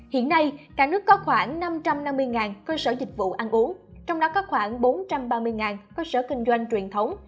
hiện nay cả nước có khoảng năm trăm năm mươi cơ sở dịch vụ ăn uống trong đó có khoảng bốn trăm ba mươi cơ sở kinh doanh truyền thống